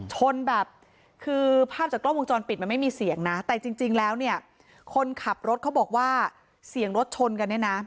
ชนแบบคือภาพจากกล้องวงจรปิดมันไม่มีเสียงนะแต่จริงแล้วเนี่ยคนขับรถเขาบอกว่าเสียงรถชนกันเนี่ยนะ